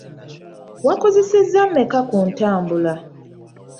Wakozesezza mmeka ku ntambula?